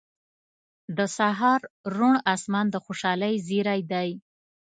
• د سهار روڼ آسمان د خوشحالۍ زیری دی.